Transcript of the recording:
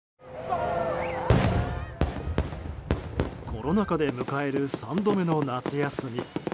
コロナ禍で迎える３度目の夏休み。